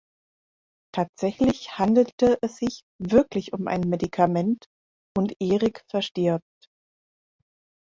Tatsächlich handelte es sich wirklich um ein Medikament und Erik verstirbt.